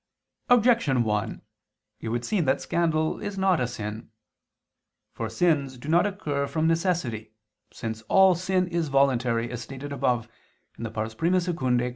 Objection 1: It would seem that scandal is not a sin. For sins do not occur from necessity, since all sin is voluntary, as stated above (I II, Q.